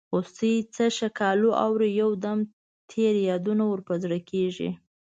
هوسۍ څه ښکالو اوري یو دم تېر یادونه ور په زړه کیږي.